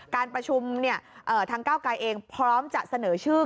การประชุมทางเก้าไกรเองพร้อมจะเสนอชื่อ